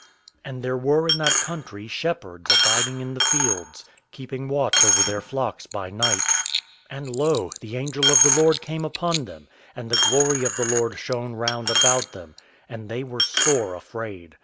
And there were in that country shepherds abiding in the fields, keeping watch over their flocks by night. And lo! the angel of the Lord came upon them, and the glory of the Lord shone round about them, and they were sore afraid.